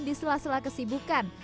di sela sela kesibukan